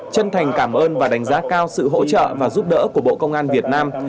chân thành cảm ơn và đánh giá cao sự hỗ trợ và giúp đỡ của bộ công an việt nam